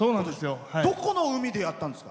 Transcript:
どこの海でやったんですか？